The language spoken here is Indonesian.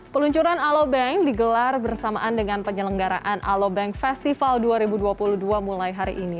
peluncuran alobank digelar bersamaan dengan penyelenggaraan alobank festival dua ribu dua puluh dua mulai hari ini